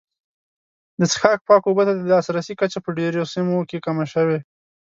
د څښاک پاکو اوبو ته د لاسرسي کچه په ډېرو سیمو کې کمه شوې.